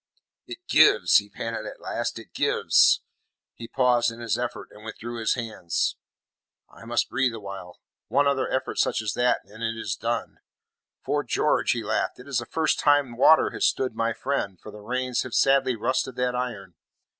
"It gives," he panted at last. "It gives." He paused in his efforts, and withdrew his hands. "I must breathe a while. One other effort such as that, and it is done. 'Fore George," he laughed, "it is the first time water has stood my friend, for the rains have sadly rusted that iron."